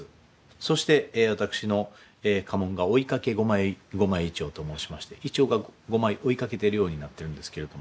そして私の家紋が「追いかけ五枚銀杏」と申しまして銀杏が五枚追いかけてるようになってるんですけれども。